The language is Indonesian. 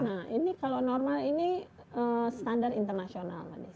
nah ini kalau normal ini standar internasional